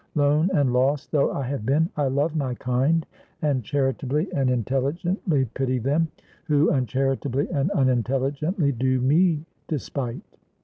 Lone and lost though I have been, I love my kind; and charitably and intelligently pity them, who uncharitably and unintelligently do me despite.